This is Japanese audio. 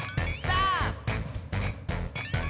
さあ！